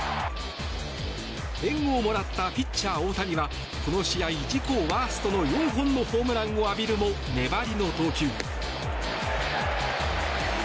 援護をもらったピッチャー・大谷はこの試合自己ワーストの４本のホームランを浴びるも粘りの投球。